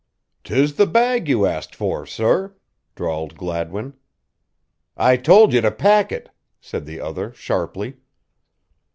"'Tis the bag you asked for, sorr," drawled Gladwin. "I told you to pack it," said the other, sharply.